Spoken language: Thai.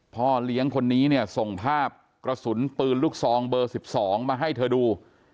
พ่อเลี้ยงคนนี้เนี่ยส่งภาพกระสุนปืนลูกซองเบอร์๑๒มาให้เธอดู